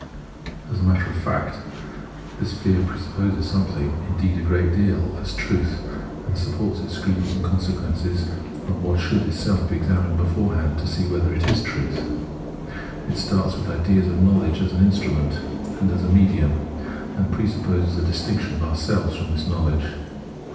As a matter of fact, tkis fear presupposes sometking, indeed a great deal, as trutk, and supports its scruples and consequences on wkat skould itself be examined beforekand to see wketker it is trutk. It starts witk ideas of Imow ledge as an instrument, and as a medium ; and pre supposes a distinction of ourselves from tkis know ledge.